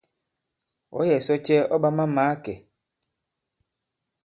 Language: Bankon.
Ɔ̌ yɛ̀ sɔ cɛ ɔ̂ ɓa ma-màa kɛ̄?